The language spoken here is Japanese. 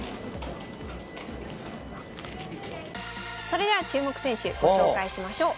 それでは注目選手ご紹介しましょう。